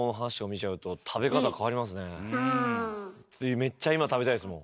めっちゃ今食べたいですもん。